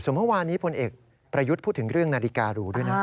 เมื่อวานนี้พลเอกประยุทธ์พูดถึงเรื่องนาฬิการูด้วยนะ